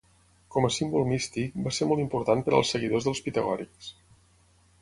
Com a símbol místic, va ser molt important per als seguidors dels pitagòrics.